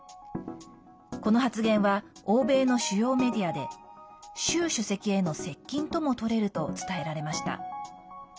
この発言は欧米の主要メディアで習主席への接近ともとれると伝えられました。